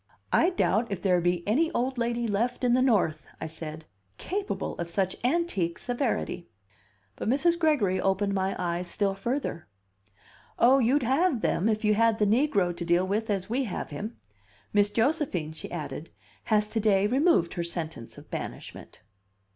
"I doubt if there be any old lady left in the North," I said, "capable of such antique severity." But Mrs. Gregory opened my eyes still further. "Oh, you'd have them if you had the negro to deal with as we have him. Miss Josephine," she added, "has to day removed her sentence of banishment."